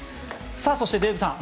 そしてデーブさん